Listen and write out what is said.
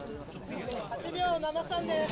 ８秒７３です。